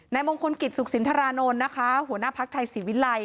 มงคลกิจสุขสินทรานนท์นะคะหัวหน้าภักดิ์ไทยศรีวิลัย